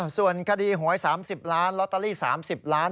ส่วนคดีหวย๓๐ล้านลอตเตอรี่๓๐ล้าน